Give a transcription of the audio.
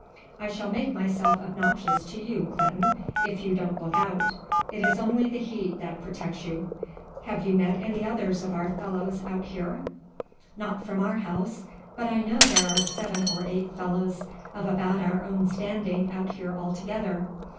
"I shall make myself obnoxious to you, Clinton, if you don't look out. It is only the heat that protects you. Have you met any others of our fellows out here?" "Not from our house, but I know there are seven or eight fellows of about our own standing out here altogether."